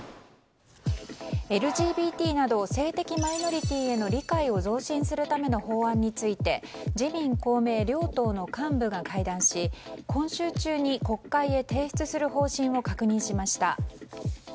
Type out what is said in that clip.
ＬＧＢＴなど性的マイノリティーの理解を増進する法案について自民・公明両党の幹部が会談し今週中に国会に提出する方針を確認しました。